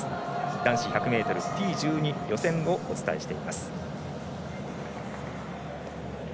男子１００ｍＴ１２予選をお伝えしています。